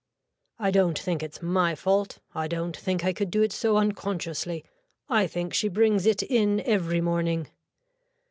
I don't think it's my fault I don't think I could do it so unconsciously. I think she brings it in every morning.